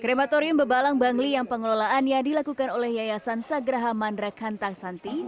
krematorium bebalang bangli yang pengelolaannya dilakukan oleh yayasan sagraha mandrak hantang santi